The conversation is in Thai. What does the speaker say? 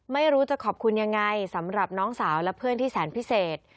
ไม่รู้จะขอบคุณยังไงสำหรับน้องสาวและเพื่อนที่แสนพิเศษ